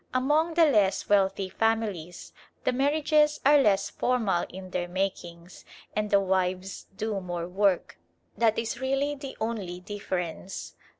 Among the less wealthy families, the marriages are less formal in their makings and the wives do more work: that is really the only difference.